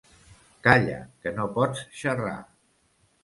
Calla, que no pots xerrar.